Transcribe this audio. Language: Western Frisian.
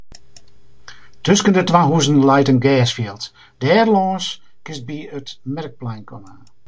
Tusken de twa huzen leit in gersfjild; dêrlâns kinst by it merkplein komme.